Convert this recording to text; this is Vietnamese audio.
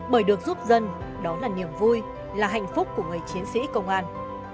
bởi được giúp dân đó là niềm vui là hạnh phúc của người chiến sĩ công an